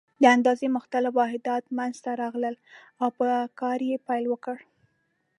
د اندازې مختلف واحدات منځته راغلل او په کار یې پیل وکړ.